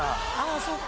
そっか。